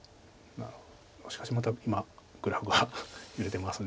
しかしまたグラフが揺れてます。